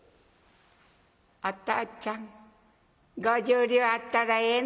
「お父ちゃん５０両あったらええの？」。